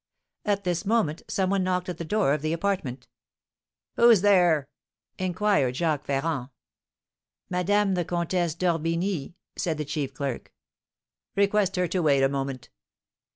At this moment some one knocked at the door of the apartment. "Who's there?" inquired Jacques Ferrand. "Madame the Countess d'Orbigny," said the chief clerk. "Request her to wait a moment."